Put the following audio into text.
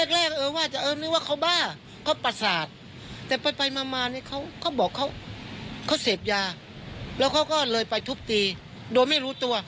แรกเออว่าจะเออนึกว่าเขาบ้าเขาประสาทแต่ไปมาเนี่ยเขาบอกเขาเสพยาแล้วเขาก็เลยไปทุบตีโดยไม่รู้ตัว